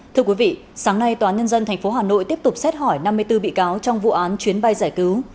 thưa quý vị sáng nay tòa nhân dân tp hà nội tiếp tục xét hỏi năm mươi bốn bị cáo trong vụ án chuyến bay giải cứu